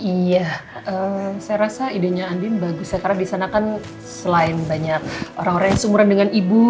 iya saya rasa idenya andin bagus ya karena di sana kan selain banyak orang orang yang seumuran dengan ibu